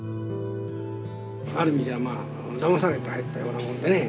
ある意味じゃまあだまされて入ったようなもんでね。